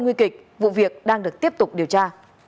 nguy kịch vụ việc đang được tiếp tục điều tra